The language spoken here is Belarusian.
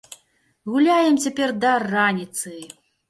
Гуляем цяпер да раніцы!